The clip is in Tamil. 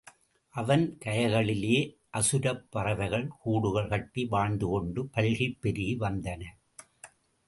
அதன் கரைகளிலேயே அசுரப் பறவைகள் கூடுகள் கட்டி வாழ்ந்துகொண்டு பல்கிப் பெருகி வந்தன.